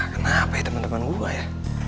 kenapa eh temen temen gue ya